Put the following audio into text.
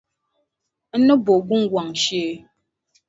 N ni bo gungɔŋ shee.